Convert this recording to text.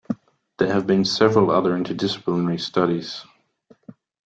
There have been several other interdisciplinary studies.